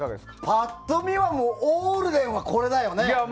パッと見はオールデンはこれだよね。